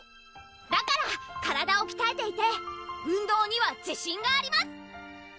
だから体をきたえていて運動には自信があります！